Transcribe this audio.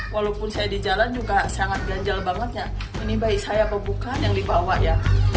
walaupun saya di jalan juga sangat ganjal banget ya ini bayi saya pembukaan yang dibawa ya